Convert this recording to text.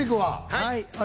はい。